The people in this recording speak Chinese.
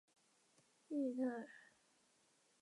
乔玄副克里介为荆花介科副克里介属下的一个种。